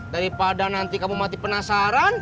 daripada nanti kamu mati penasaran